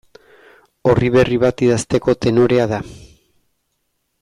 Orri berri bat idazteko tenorea da.